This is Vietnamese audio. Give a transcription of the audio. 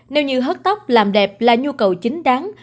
nếu như hớt tóc làm đẹp là nhu cầu chính đáng